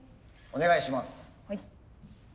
お願いします。